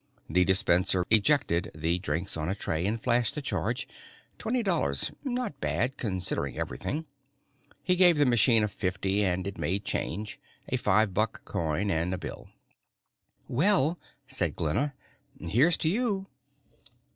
The dispenser ejected the drinks on a tray and flashed the charge $20. Not bad, considering everything. He gave the machine a fifty and it made change, a five buck coin and a bill. "Well," said Glenna, "here's to you."